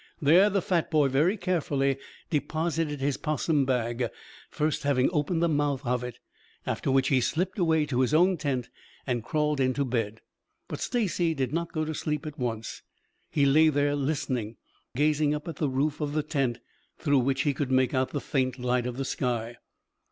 There the fat boy very carefully deposited his 'possum bag, first having opened the mouth of it, after which he slipped away to his own tent and crawled into bed. But Stacy did not go to sleep at once. He lay there listening, gazing up at the roof of the tent through which he could make out the faint light of the sky.